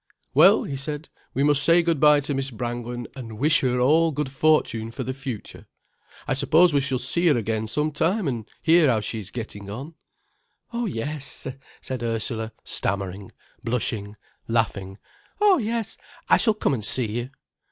"Well," he said, "we must say good bye to Miss Brangwen and wish her all good fortune for the future. I suppose we shall see her again some time, and hear how she is getting on." "Oh, yes," said Ursula, stammering, blushing, laughing. "Oh, yes, I shall come and see you."